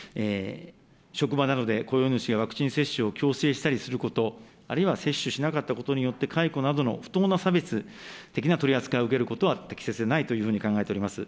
職場などで雇用主がワクチン接種を強制したりすること、あるいは接種しなかったことによって解雇などの不当な差別的な取り扱いを受けることは適切でないというふうに考えております。